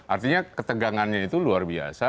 artinya ketegangannya itu luar biasa